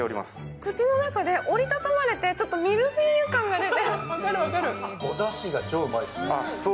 口の中で折り畳まれて、ちょっとミルフィーユ感が出て。